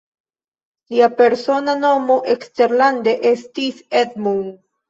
Lia persona nomo eksterlande estis "Edmund".